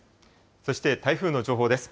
そして、台風の情報です。